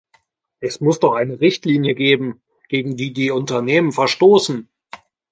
Es muss doch eine Richtlinie geben, gegen die die Unternehmen verstoßen.